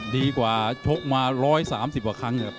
ดีกว่าโชคมาร้อยสามสิบออกครั้งนะครับ